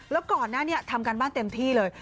แล้วก่อนหน้านี้ทำการบ้านเต็มที่เลย